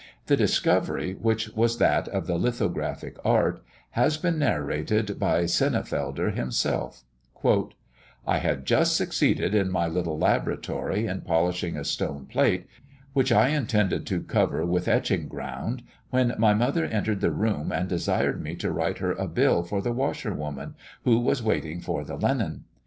The discovery, which was that of the lithographic art, has been thus narrated by Sennefelder himself: "I had just succeeded, in my little laboratory, in polishing a stone plate, which I intended to cover with etching ground, when my mother entered the room, and desired me to write her a bill for the washerwoman, who was waiting for the linen.